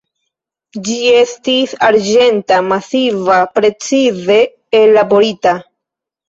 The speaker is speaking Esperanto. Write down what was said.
Ĝi estis arĝenta, masiva, precize ellaborita.